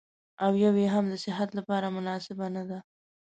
او يوه يې هم د صحت لپاره مناسبه نه ده.